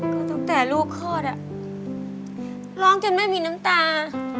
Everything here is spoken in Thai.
ก็ตั้งแต่ลูกคลอดร้องจนไม่มีน้ำตา